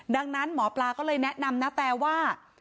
ดังนั้นหมอปลาก็เลยแนะนำณแตว่า